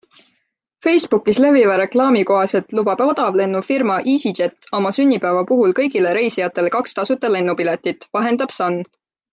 Facebookis leviva reklaami kohaselt lubab odavlennufirma easyJet oma sünnipäeva puhul kõigile reisijatele kaks tasuta lennupiletit, vahendab Sun.